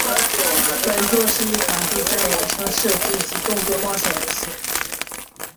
本作是一款第三人称射击及动作冒险游戏。